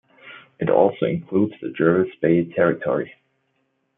It also includes the Jervis Bay Territory.